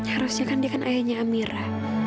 harusnya kan dia kan ayahnya amira